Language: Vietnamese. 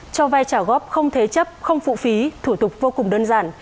cho vai trả góp không thế chấp không phụ phí thủ tục vô cùng đơn giản